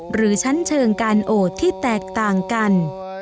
หรือชั้นเชิงการโอดที่แตกต่างกัน